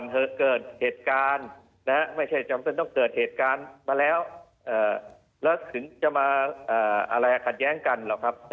เหตุการณ์มาแล้วและถึงจะมาอะไรขัดแย้งกันหรือครับ